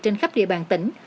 trên khắp địa bàn tỉnh